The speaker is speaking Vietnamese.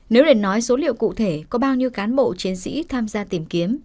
nếu để nói số liệu cụ thể có bao nhiêu cán bộ chiến sĩ tham gia tìm kiếm